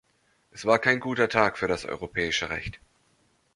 Es war kein guter Tag für das Europäische Recht.